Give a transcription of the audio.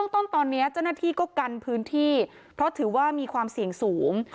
ต้นตอนนี้เจ้าหน้าที่ก็กันพื้นที่เพราะถือว่ามีความเสี่ยงสูง